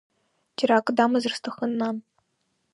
Џьара акы дамазар сҭахын, нан…